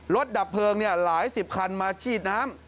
ดับเพลิงหลายสิบคันมาฉีดน้ำ